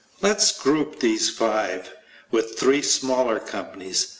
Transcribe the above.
Let's group these five, with three smaller companies.